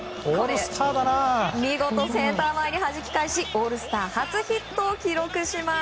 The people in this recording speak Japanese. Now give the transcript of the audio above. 見事センター前にはじき返しオールスター初ヒットを記録します。